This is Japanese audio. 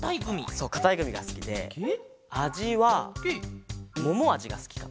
そうかたいグミがすきであじはももあじがすきかな。